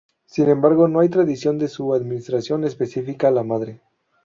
Sin embargo, no hay tradición de su administración específica a la madre.